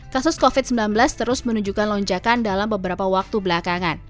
kasus covid sembilan belas terus menunjukkan lonjakan dalam beberapa waktu belakangan